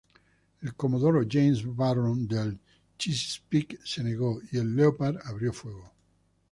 El comodoro James Barron del" Chesapeake" se negó, y el "Leopard" abrió fuego.